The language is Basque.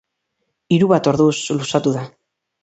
Hiru bat orduz luzatu da.